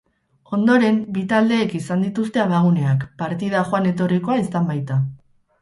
Ondoren, bi taldeek izan dituzte abaguneak, partida joan-etorrikoa izan baita.